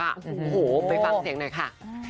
โอ้โหไปฟังเสียงหน่อยค่ะ